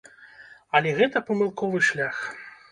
Але гэта памылковы шлях.